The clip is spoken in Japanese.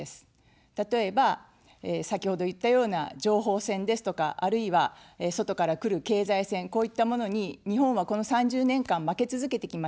例えば、先ほど言ったような情報戦ですとか、あるいは外からくる経済戦、こういったものに日本は、この３０年間負け続けてきました。